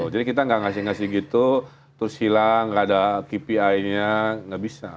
jadi kita gak ngasih ngasih gitu terus hilang gak ada kpi nya gak bisa